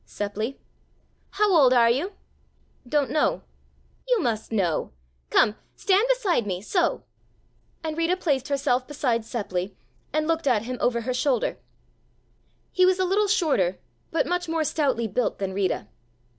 "Seppli." "How old are you?" "Don't know." "You must know. Come, stand beside me so——" and Rita placed herself beside Seppli, and looked at him over her shoulder. He was a little shorter, but much more stoutly built than Rita.